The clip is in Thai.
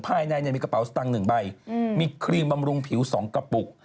ภายในมีกระเป๋าสตางค์๑ใบมีครีมบำรุงผิว๒กระปุก